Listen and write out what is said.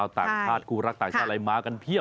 ต่างชาติคู่รักต่างชาติอะไรมากันเพียบ